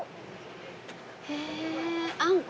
へえあんこ？